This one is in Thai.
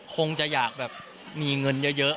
คงจะอยากแบบมีเงินเยอะ